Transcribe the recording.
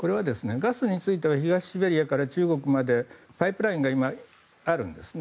ガスについては東シベリアから中国までパイプラインが今あるんですね。